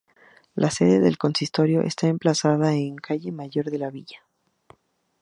La sede del consistorio está emplazada en la Calle Mayor de la villa.